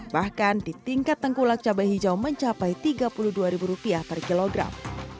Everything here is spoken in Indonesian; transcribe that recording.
bahkan di tingkat tengkulak cabai hijau mencapai rp tiga puluh dua per kilogram